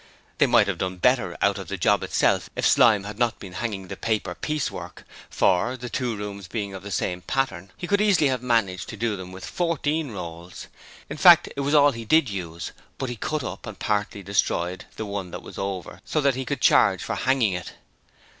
They might have done better out of the job itself if Slyme had not been hanging the paper piece work, for, the two rooms being of the same pattern, he could easily have managed to do them with fourteen rolls; in fact, that was all he did use, but he cut up and partly destroyed the one that was over so that he could charge for hanging it.